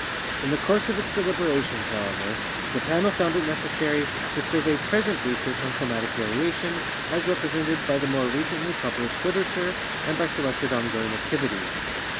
In the course of its deliberations, however, the Panel found it necessary to survey present research on climatic variation, as rep resented by the more recently published literature and by selected on going activities.